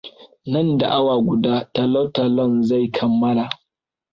Nan da awa guda talotalon zai kammala.